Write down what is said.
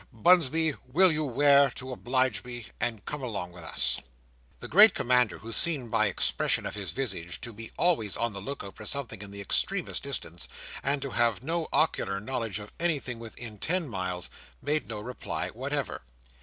Bunsby, will you wear, to oblige me, and come along with us?" The great commander, who seemed by expression of his visage to be always on the look out for something in the extremest distance, and to have no ocular knowledge of anything within ten miles, made no reply whatever.